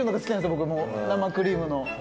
僕生クリームの。